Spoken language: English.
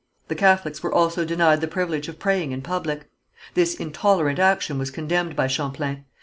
The Catholics were also denied the privilege of praying in public. This intolerant action was condemned by Champlain.